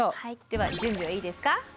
では準備はいいですか？